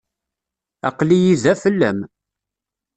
Aql-iyi da fell-am.